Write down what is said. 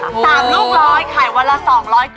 ตามลูกร้อยขายวันละ๒๐๐กล่อง